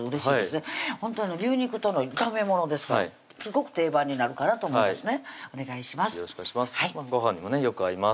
ほんと牛肉との炒めものですからすごく定番になるかなと思いますお願いします